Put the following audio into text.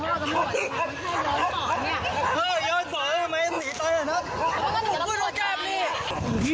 เฮ้ยย้อนสอนไม่หนีไปเลยนะผมคุ้นรอแก้มนี่